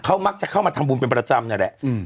เขามักจะเข้ามาทำบุญเป็นประจำนั่นแหละ